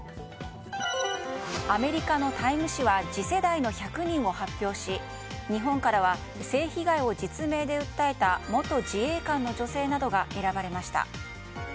アメリカの「タイム」誌は次世代の１００人を発表し日本からは性被害を実名で訴えた元自衛官の女性などが選ばれました。